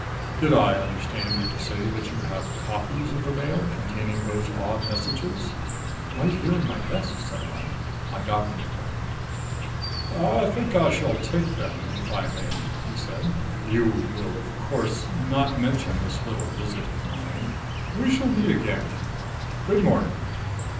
Did I understand you to say that you have copies of the Mail containing those odd messages?" "Right here in my desk," said I. I got them for him. "I think I shall take them if I may," he said. "You will, of course, not mention this little visit of mine. We shall meet again. Good morning."